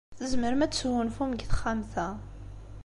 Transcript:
Tzemrem ad tesgunfum deg texxamt-a.